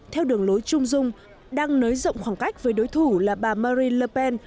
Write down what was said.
theo đường lối trung dung đang nới rộng khoảng cách với đối thủ là bà marin le pen